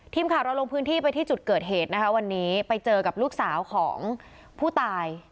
ทีมข่าวเราลงพื้นที่ไปที่จุดเกิดเหตุนะคะวันนี้ไปเจอกับลูกสาวของผู้ตาย